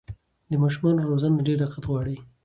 د ماشومانو روزنه ډېر دقت غواړي.